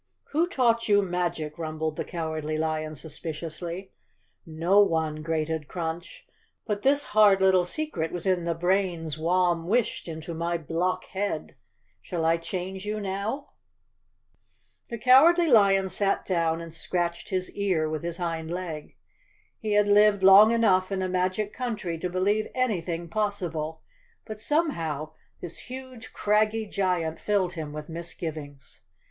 "Who taught you magic?" rumbled the Cowardly lion suspiciously. ace _ Chapter Twenty "No one," grated Crunch, "but this hard little secret was in the brains Warn wished into my block head. Shall I change you now?" The Cowardly Lion sat down and scratched his ear with his hind leg. He had lived long enough in a magic country to believe anything possible, but somehow this huge, craggy giant filled him with misgivings.